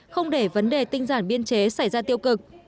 không để vấn đề tinh giản biên chế xảy ra tiêu cực